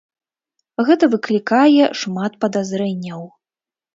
Гэта выклікае шмат падазрэнняў.